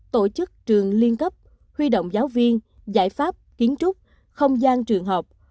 tổ chức trường liên cấp huy động giáo viên giải pháp kiến trúc không gian trường học